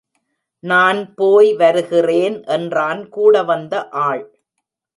நான் போய் வருகிறேன் என்றான் கூடவந்த ஆள்.